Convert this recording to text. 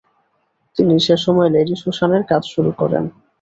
তিনি সেসময় Lady Susan -এর কাজ শুরু করেন।